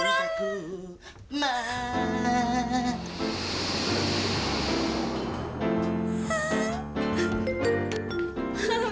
bukan kamu ron